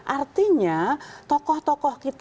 artinya tokoh tokoh kita waktu itu hampir tidak ada